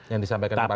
yang disampaikan kapan